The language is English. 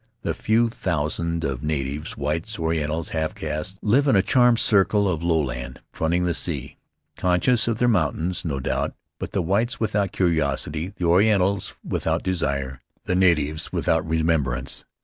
The few thousands of natives, whites, Orientals, half castes, live in a charmed circle of low land fronting the sea, conscious of their mountains, no doubt, but the whites without curiosity, the Orientals without desire, the natives without remembrance.